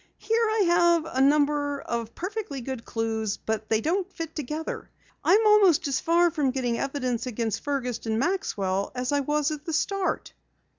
"Here I have a number of perfectly good clues but they don't fit together. I'm almost as far from getting evidence against Fergus and Maxwell as I was at the start."